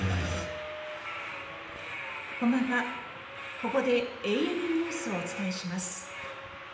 ここで「ＡＮＮニュース」をお伝えします。